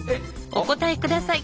お答え下さい。